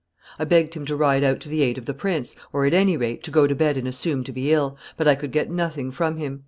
I begged him to ride out to the aid of the prince, or, at any rate, to go to bed and assume to be ill; but I could get nothing from him.